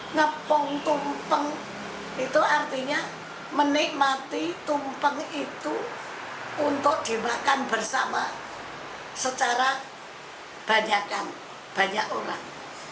ngepong tumpeng itu artinya menikmati tumpeng itu untuk dimakan bersama secara banyakan banyak orang